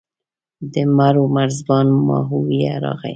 د مرو مرزبان ماهویه راغی.